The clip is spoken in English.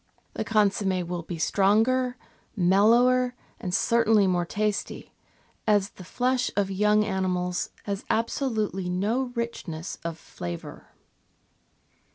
The consomm^ will be stronger, mellower, and certainly more tasty, as the flesh of young animals has absolutely no richness of flavour.